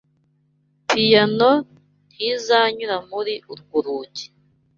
Piyano ntizanyura muri urwo rugi.